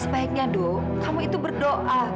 sebaiknya do kamu itu berdoa